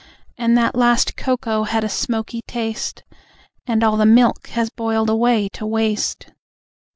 And that last cocoa had a smoky taste, And all the milk has boiled away to waste!